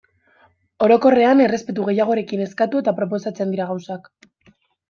Orokorrean errespetu gehiagorekin eskatu eta proposatzen dira gauzak.